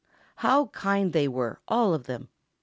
How kind they were, all of them!